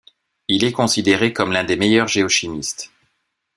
Il est considéré comme l'un des meilleurs géochimistes.